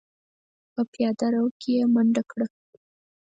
په پياده رو کې يې منډه کړه.